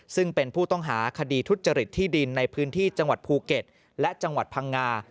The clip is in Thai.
ซึ่งเป็นผู้ต้องหาคดีทุจริตที่ดินในพื้นที่จังหวัดภูเก็ตและจังหวัดพังงา